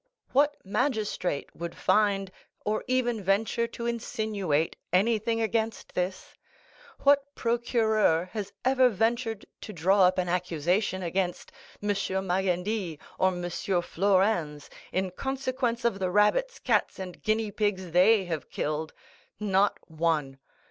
What magistrate would find, or even venture to insinuate, anything against this? What procureur has ever ventured to draw up an accusation against M. Magendie or M. Flourens, in consequence of the rabbits, cats, and guinea pigs they have killed?—not one.